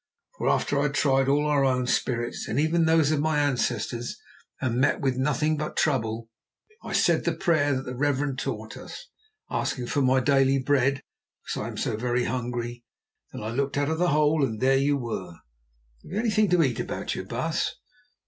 For after I had tried all our own spirits, and even those of my ancestors, and met with nothing but trouble, I said the prayer that the reverend taught us, asking for my daily bread because I am so very hungry. Then I looked out of the hole and there you were. Have you anything to eat about you, baas?"